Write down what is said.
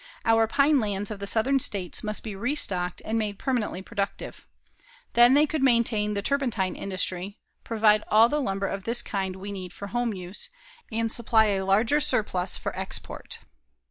Our pine lands of the southern states must be restocked and made permanently productive. Then they could maintain the turpentine industry, provide all the lumber of this kind we need for home use, and supply a larger surplus for export.